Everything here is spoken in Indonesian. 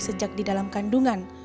sejak di dalam kandungan